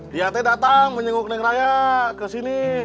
dia teh datang menyenguk neng raya kesini